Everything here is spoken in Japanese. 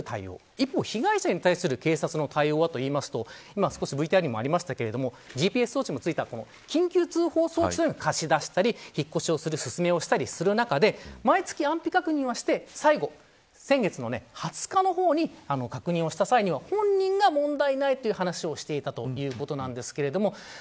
一方、被害者に対する警察の対応はといいますとＶＴＲにもありましたがＧＰＳのついた緊急通報装置を貸し出したり引っ越しをすすめたりする中で毎月、安否確認する中で最後、先月２０日に確認したときは本人が問題ないという話をしていたということです。